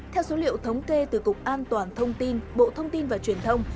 theo số liệu thống kê từ cục an toàn thông tin bộ thông tin và truyền thông